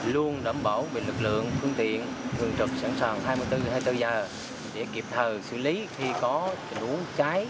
luôn đảm bảo về lực lượng phương tiện thường trực sẵn sàng hai mươi bốn hai mươi bốn giờ để kịp thời xử lý khi có tình huống cháy